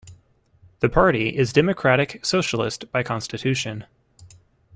The party is democratic socialist by constitution.